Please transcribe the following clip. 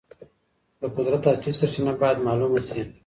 د قدرت اصلي سرچینه باید معلومه سي.